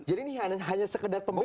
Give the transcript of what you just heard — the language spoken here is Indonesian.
jadi ini hanya sekadar pembeda